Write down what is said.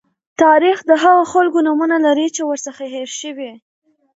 تاریخ د هغو خلکو نومونه لري چې ورڅخه هېر شوي.